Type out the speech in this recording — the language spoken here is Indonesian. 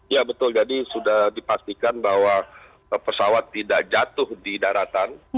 ya betul jadi sudah dipastikan bahwa pesawat tidak jatuh di daratan